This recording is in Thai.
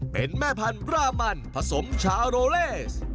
เป็นแม่พันธุ์บรามันผสมชาโรเลส